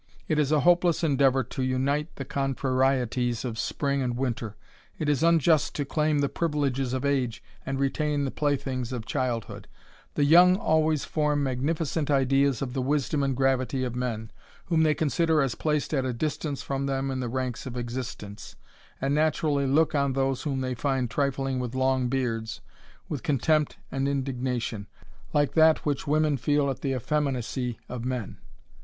It Is a hope less endeavour to unite the contrarieties of spriog and winter ; it is unjust to claim the privileges of age, and retain the playthings of childhood The young always form magniiicenl ideas of the wisdom and gravity of men, whom they consider as placed at a distance from them ia the ranks of existence, and naturally look on those whom they find trifling with long beards, with contempt and indignation, like that which women feel at the effeminacy of men.